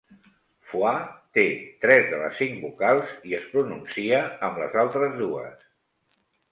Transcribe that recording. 'Foie' té tres de les cinc vocals i es pronuncia amb les altres dues.